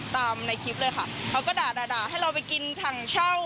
ในคลิปเลยค่ะเขาก็ด่าด่าให้เราไปกินถังเช่า